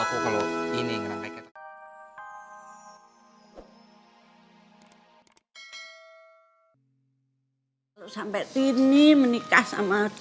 sampai ini menikah sama